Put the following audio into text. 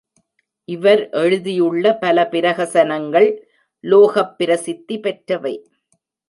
இவர் எழுதியுள்ள பல பிரஹசனங்கள் லோகப் பிரசித்தி பெற்றவை.